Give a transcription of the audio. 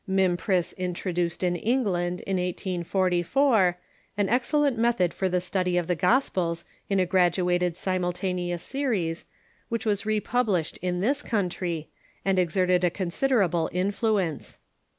Mimpriss introduced in England, in 1844, an excel lent method for the study of the Gospels in a graduated si multaneous series, Avhich was republished in this country, and exerted a considerable influence.